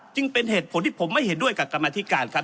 จึงเป็นเหตุผลที่ผมไม่เห็นด้วยกับกรรมธิการครับ